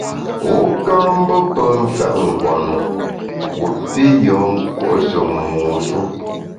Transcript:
Wu ka mbe pe mfèt nkwenu wu pi yùen nkùo’she mu shu.